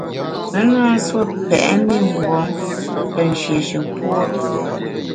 Me na nsuo pèt mi mgbom te nshéshe puo’.